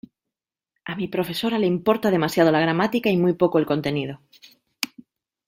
A mi profesora le importa demasiado la gramática y muy poco el contenido.